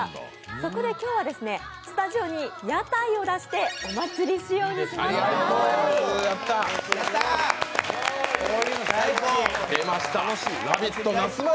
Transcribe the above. そこで今日はスタジオに屋台を出して、お祭り仕様にしました。